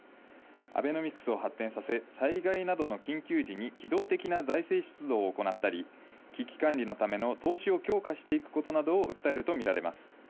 アベノミクスを発展させ、災害等の緊急時に機動的な財政出動を行ったり、危機管理のための投資を強化していくことなどを訴えるとみられています。